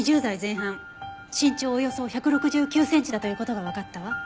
身長およそ１６９センチだという事がわかったわ。